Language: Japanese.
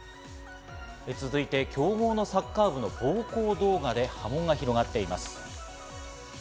続いて強豪のサッカー部の暴行動画で波紋が広がっています。